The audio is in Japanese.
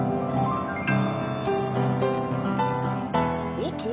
おっと！